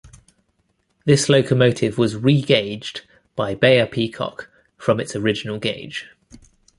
This locomotive was regauged by Beyer Peacock from its original gauge.